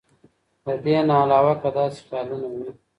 د دې نه علاوه کۀ داسې خيالونه وي